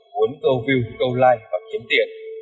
muốn câu view câu like và kiếm tiền